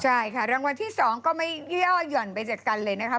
ใช่ค่ะรางวัลที่๒ก็ไม่ย่อหย่อนไปจากกันเลยนะคะ